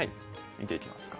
見ていきますか。